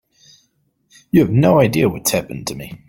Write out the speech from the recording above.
You have no idea what's happened to me.